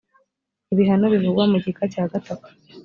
ibihano bivugwa mu gika cya gatatu